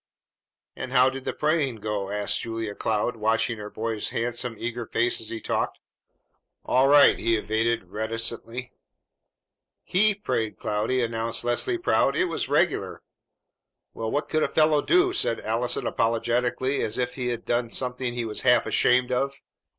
"And how did the praying go?" asked Julia Cloud, watching her boy's handsome, eager face as he talked. "All right," he evaded reticently. "He prayed, Cloudy!" announced Leslie proudly. "It was regular!" "Well, what could a fellow do?" said Allison apologetically, as if he had done something he was half ashamed of.